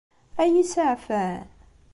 Ad iyi-saɛfen?